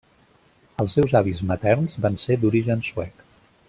Els seus avis materns van ser d'origen suec.